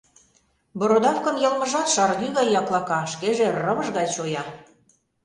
Бородавкын йылмыжат шаргӱ гай яклака, шкеже рывыж гай чоя.